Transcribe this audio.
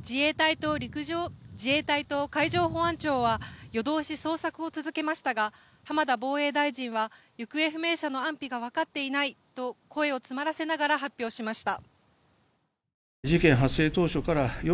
自衛隊と海上保安庁は夜通し捜索を続けましたが浜田防衛大臣は行方不明者の安否がわかっていないと声を詰まらせながら発表しました。